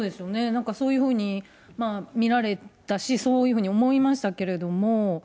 なんかそういうふうに見られたし、そういうふうに思いましたけれども。